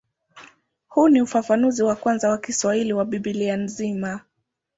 Huu ni ufafanuzi wa kwanza wa Kiswahili wa Biblia nzima.